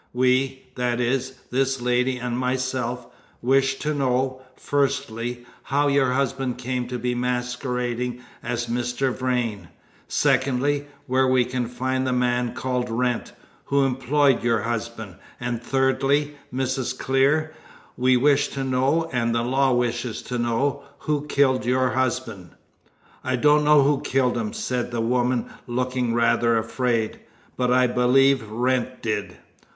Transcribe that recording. We that is, this lady and myself wish to know, firstly, how your husband came to be masquerading as Mr. Vrain; secondly, where we can find the man called Wrent, who employed your husband; and thirdly, Mrs. Clear, we wish to know, and the law wishes to know, who killed your husband." "I don't know who killed him," said the woman, looking rather afraid, "but I believe Wrent did."